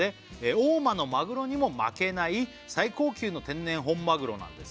「大間のマグロにも負けない最高級の天然本マグロなんです」